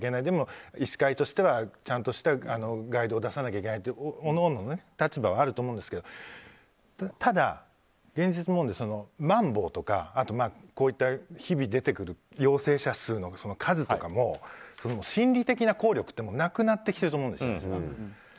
でも、医師会としてはちゃんとしたガイドを出さなきゃいけない各々の立場はあると思うんですけどただ、現実問題まん防とかあと、こういった日々出てくる陽性者数の数とかも心理的な効力ってなくなってきてると思うんですよ。